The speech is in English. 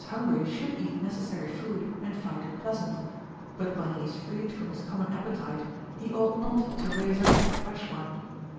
hungry sliould eat necessary food and find it pleasant ; but when he is freed from his common appetite, he ought not to raise up a fresh one.